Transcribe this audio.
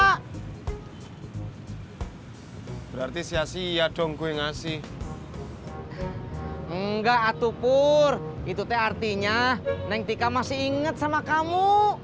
hai berarti sia sia dong gue ngasih nggak aduh pur itu teh artinya neng tika masih inget sama kamu